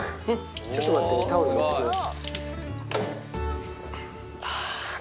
ちょっと待ってねタオル持って来ます。